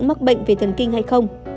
mắc bệnh về thần kinh hay không